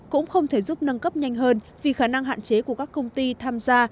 cũng không thể giúp nâng cấp nhanh hơn vì khả năng hạn chế của các công ty tham gia